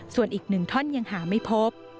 ส่วนอีก๑ท่อนยังหาไม่พบ